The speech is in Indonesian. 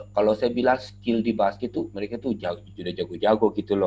kalau saya bilang skill di basket tuh mereka tuh sudah jago jago gitu loh